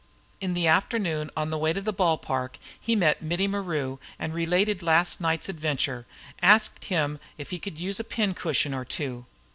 In the afternoon on the way to the ball park he met Mittie Maru, and relating last night's adventure, asked him if he could use a pin cushion or two.